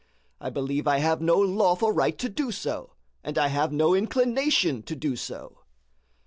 I believe I have no lawful right to do so, and I have no inclination to do so."